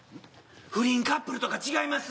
不倫カップルとかちがいます？